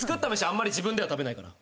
あんまり自分では食べないから。